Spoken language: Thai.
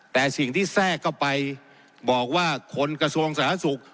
แต่สิ่งที่แทรกเข้าไปบอกว่าคนกระทรวงสาธารณสุข